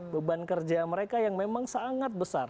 beban kerja mereka yang memang sangat besar